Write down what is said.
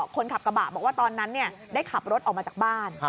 คนขับกระบะบอกว่าตอนนั้นได้ขับรถออกมาจากบ้าน